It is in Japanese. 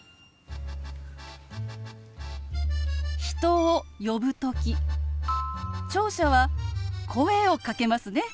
人を呼ぶ時聴者は声をかけますね。